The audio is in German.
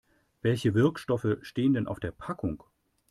Welche Wirkstoffe stehen denn auf der Packung?